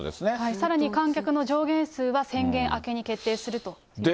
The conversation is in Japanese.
さらに、観客の上限数は宣言明けに決定するということです。